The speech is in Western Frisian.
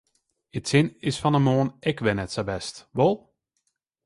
It sin is fan 'e moarn ek wer net sa bêst, wol?